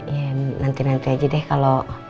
ya nanti nanti aja deh kalau